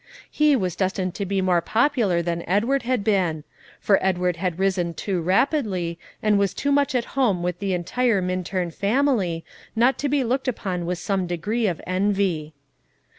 He was destined to be more popular than Edward had been; for Edward had risen too rapidly, and was too much at home with the entire Minturn family, not to be looked upon with some degree of envy.